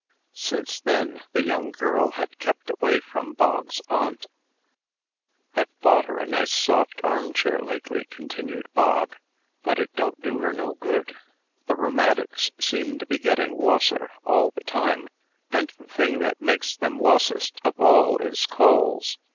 Since then, the young girl had kept away from Bog's aunt. "I've bought her a nice, soft armchair lately," continued Bog; "but it don't do her no good. The rheumatics seem to be getting wusser all the time; and the thing that makes them wussest of all is calls.